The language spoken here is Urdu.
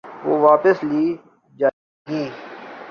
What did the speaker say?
وہ واپس لی جائیں گی۔